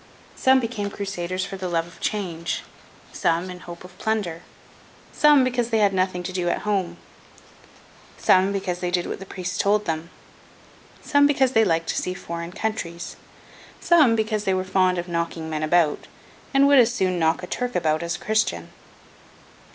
Some became Crusaders for the love of change; some, in the hope of plunder; some, because they had nothing to do at home; some, because they did what the priests told them; some, because they liked to see foreign countries; some, because they were fond of knocking men about, and would as soon knock a Turk about as a Christian.